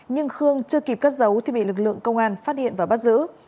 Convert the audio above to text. nhưng khương chưa kịp cất giấu thì bị lực lượng công an phát hiện và bắt giữ